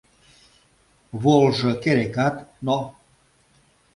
Волжо керекат, но...